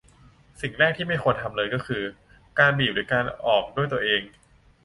สิ่งแรกที่ไม่ควรทำเลยก็คือการบีบ หรือกดออกด้วยตัวเอง